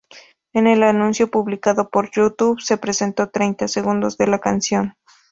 En el anuncio publicado por YouTube, se presentó treinta segundos de la canción.